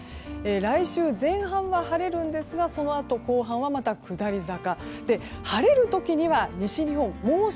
来週前半は晴れるんですがそのあと、後半はまた下り坂。